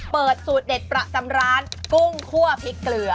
เปิดสูตรเด็ดประจำร้านกุ้งคั่วพริกเกลือ